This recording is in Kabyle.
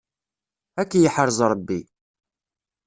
Ad k-yeḥrez Ṛebbi.